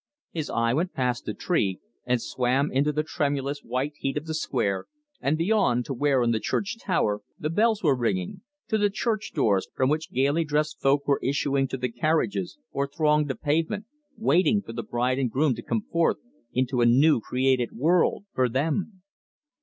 His eye went past the tree and swam into the tremulous white heat of the square, and beyond to where in the church tower the bells were ringing to the church doors, from which gaily dressed folk were issuing to the carriages, or thronged the pavement, waiting for the bride and groom to come forth into a new created world for them.